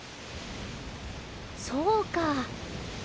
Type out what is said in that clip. そうか。